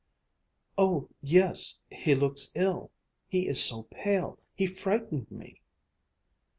"Oh yes, he looks ill. He is so pale he frightened me!"